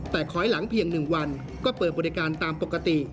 แต่ขอให้หลังเพียง๑วันก็เปิดบริการตามปกติ